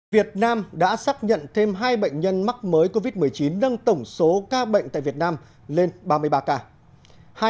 việt nam đã xác nhận thêm hai bệnh nhân mắc mới covid một mươi chín nâng tổng số ca bệnh tại việt nam lên ba mươi ba ca